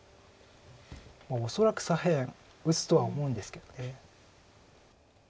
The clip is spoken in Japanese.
恐らく左辺打つとは思うんですけど。